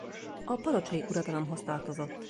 A palocsai uradalomhoz tartozott.